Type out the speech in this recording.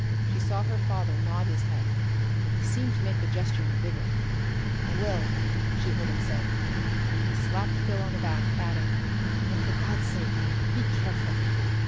She saw her father nod his head, and he seemed to make the gesture with vigor. "I will," she heard him say; and he slapped Phil on the back, adding: "But for God's sake, be careful!"